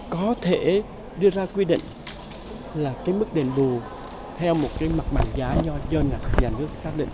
có thể đưa ra quy định là cái mức đền bù theo một cái mặt bằng giá do nhà nước xác định